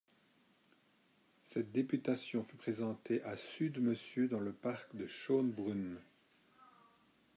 Cette députation fut présentée à sud Monsieur dans le parc de Schoenbrunn.